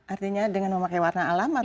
artinya dengan memakai warna alam atau